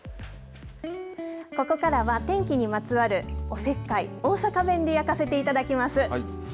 ここからは天気にまつわるおせっかい大阪弁で焼かせていただきます。